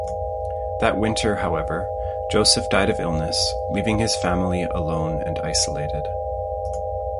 That winter, however, Joseph died of illness, leaving his family alone and isolated.